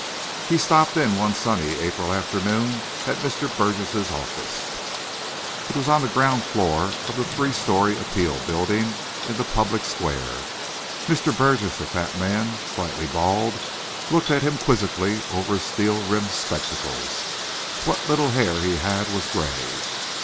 He stopped in one sunny April afternoon at Mr. Burgess' office. It was on the ground floor of the three story Appeal building in the public square. Mr. Burgess, a fat man, slightly bald, looked at him quizzically over his steel rimmed spectacles. What little hair he had was gray.